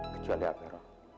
kecuali apa roh